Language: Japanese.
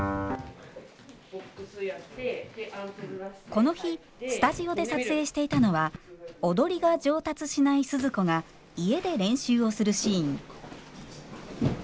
この日スタジオで撮影していたのは踊りが上達しないスズ子が家で練習をするシーン。